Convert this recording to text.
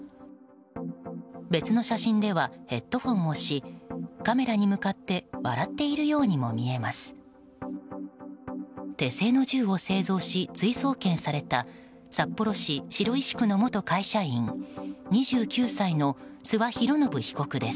別の写真ではヘッドフォンをしカメラに向かって笑っているようにも見えます。